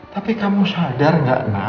tapi kamu sadar gak nak